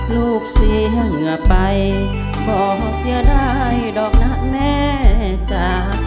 ลูกเสียเหงื่อไปบอกเสียดายหรอกนะแม่จ้า